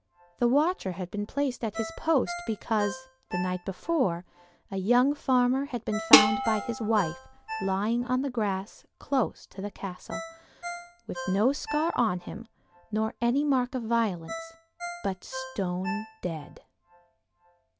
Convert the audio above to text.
The Watcher had been placed at his post because, the night before, a young farmer had been found by his wife lying in the grass close to the Castle, with no scar on him, nor any mark of violence, but stone dead.